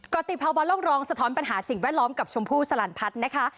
ติภาวะโลกร้องสะท้อนปัญหาสิ่งแวดล้อมกับชมพู่สลันพัฒน์นะคะ